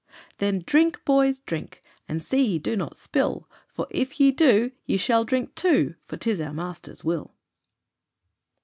"Then drink, boys, drink! And see ye do not spill, For if ye do, ye shall drink two, For 'tis our master's will."